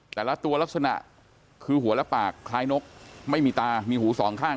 แต่ละตัวลักษณะคือหัวและปากคล้ายนกไม่มีตามีหูสองข้าง